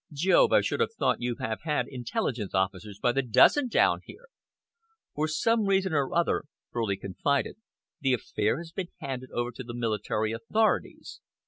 "Jove, I should have thought you'd have had intelligence officers by the dozen down here!" "For some reason or other," Furley confided, "the affair has been handed over to the military authorities.